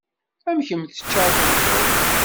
Ad kem-teččar takawt.